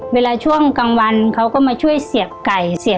เวลาช่วงกลางวันเขาก็มาช่วยเสียบไก่เสียบ